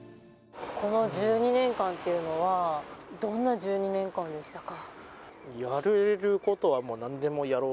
この１２年間というのは、どんな１２年間でしたか？